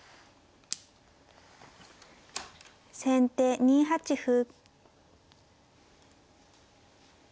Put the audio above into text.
先手２八歩。